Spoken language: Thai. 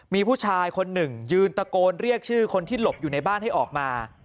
มีผู้ชายคนหนึ่งยืนตะโกนเรียกชื่อคนที่หลบอยู่ในบ้านให้ออกมา